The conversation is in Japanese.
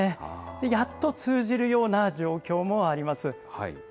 やっと通じるような状況もあります。